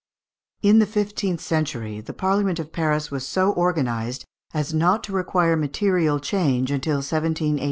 ] In the fifteenth century, the Parliament of Paris was so organized as not to require material change till 1789.